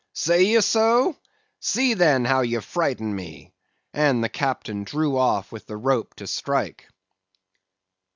"'Say ye so? then see how ye frighten me'—and the Captain drew off with the rope to strike.